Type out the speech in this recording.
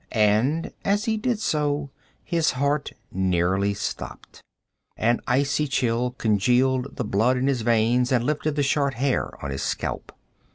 And as he did so, his heart nearly stopped. An icy chill congealed the blood in his veins and lifted the short hair on his scalp.